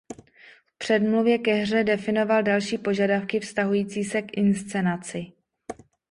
V předmluvě ke hře definoval další požadavky vztahující se k inscenaci.